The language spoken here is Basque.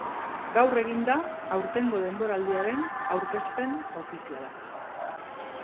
Gaur egin da aurtengo denboraldiaren aurkezpen ofiziala.